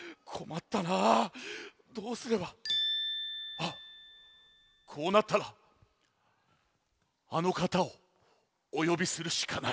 あっこうなったらあのかたをおよびするしかない！